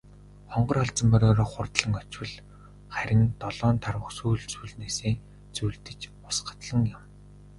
Хонгор халзан мориороо хурдлан очвол харин долоон тарвага сүүл сүүлнээсээ зүүлдэж ус гатлан явна.